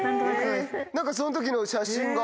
その時の写真が。